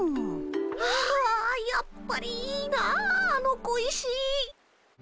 あやっぱりいいなあの小石。